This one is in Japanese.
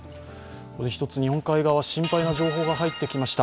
日本海側、心配な情報が入ってきました。